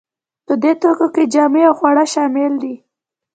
په دې توکو کې جامې او خواړه شامل دي.